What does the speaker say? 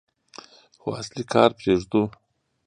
خو اصلي کار پرېږدو.